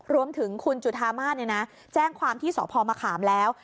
รวมถึงคุณจุธามารเนี้ยนะแจ้งความที่สอบพรมาขามแล้ว